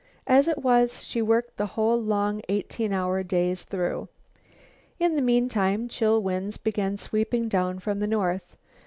As it was, she worked the whole long eighteen hour days through. In the meantime, chill winds began sweeping down from the north.